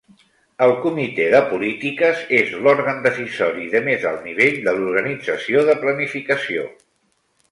El "comitè de polítiques" és l'òrgan decisori de més alt nivell de l'organització de planificació.